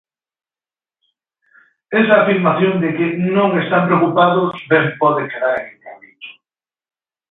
Esa afirmación de que "non están preocupados" ben pode quedar en interdito.